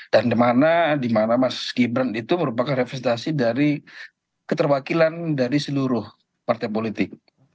dan dimana mas gibran itu merupakan representasi dari keterwakilan dari seluruh partai politik